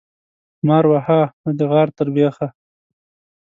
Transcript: مار وهه ، نه د غار تر بيخه.